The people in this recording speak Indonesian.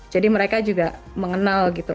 jadi mereka juga mengenal gitu